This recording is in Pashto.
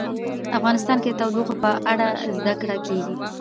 افغانستان کې د تودوخه په اړه زده کړه کېږي.